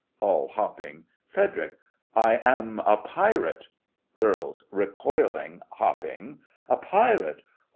(All hopping) FREDERIC: I am a pirate! GIRLS: (recoiling, hopping) A pirate!